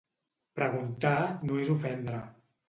Preguntar no és ofendre.